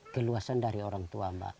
keluasan dari orang tua mbak